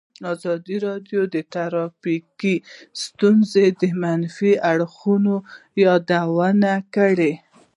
ازادي راډیو د ټرافیکي ستونزې د منفي اړخونو یادونه کړې.